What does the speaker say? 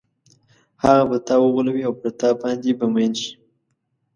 هغه به تا وغولوي او پر تا باندې به مئین شي.